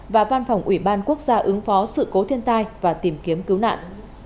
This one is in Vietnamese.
và văn phòng ủy ban quốc gia ứng phó sự cố thiên tai và tìm kiếm cứu nạn